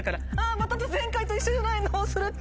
また前回と一緒じゃないのそれって！